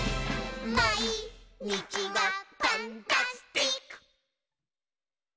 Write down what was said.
「まいにちがパンタスティック！」